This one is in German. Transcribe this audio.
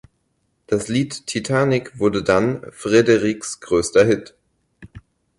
Das Lied "Titanic" wurde dann Frederiks größter Hit.